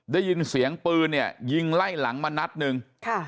ได้ยินเสียงปืนเนี่ยยิงไล่หลังมานัดหนึ่ง